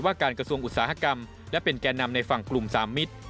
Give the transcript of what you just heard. การกระทรวงอุตสาหกรรมและเป็นแก่นำในฝั่งกลุ่มสามมิตร